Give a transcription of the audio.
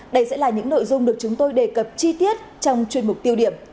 đây sẽ là những nội dung được chúng tôi đề cập chi tiết trong chuyên mục tiêu điểm